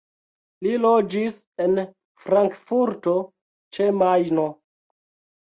Li loĝis en Frankfurto ĉe Majno.